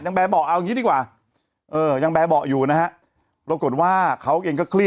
ยังไงยังไงยังไงยังไงยังไงยังไง